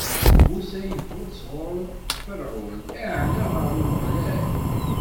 Musa yeffeɣ-d sɣur Ferɛun, iɛenna ɣer Umeɣlal.